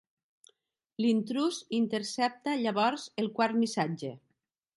L'intrús intercepta llavors el quart missatge.